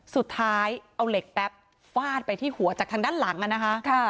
สุดท้ายเอาเหล็กแป๊บฟาดไปที่หัวจากทางด้านหลังนะคะ